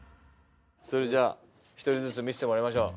それじゃあ１人ずつ見せてもらいましょう。